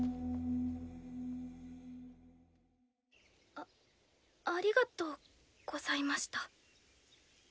あありがとうございました。